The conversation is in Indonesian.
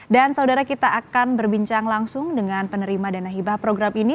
dan saudara kita akan berbincang langsung dengan penerima dana hibah program ini